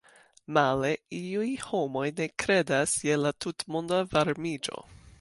Male, iuj homoj ne kredas je la tutmonda varmiĝo.